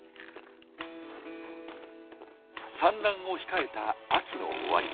産卵を控えた秋の終わり。